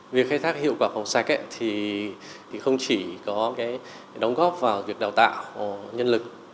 việc khai thác hiệu quả phòng sạch thì không chỉ có cái đóng góp vào việc đào tạo nhân lực